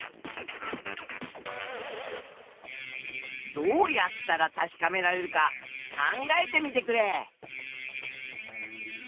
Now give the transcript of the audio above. どうやったら確かめられるか考えてみてくれ。